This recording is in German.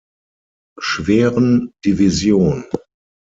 Schweren Division.